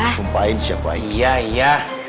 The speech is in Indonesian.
sumpahin siapa ya ya